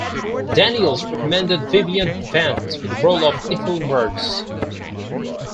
Daniels recommended Vivian Vance for the role of Ethel Mertz.